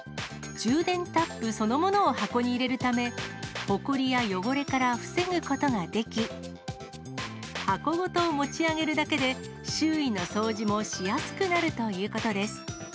充電タップそのものを箱に入れるため、ほこりや汚れから防ぐことができ、箱ごと持ち上げるだけで、周囲の掃除もしやすくなるということです。